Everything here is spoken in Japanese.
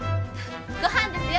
ごはんですよ！